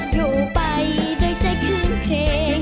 กลัวชายเก่เลเก่ตุ้ง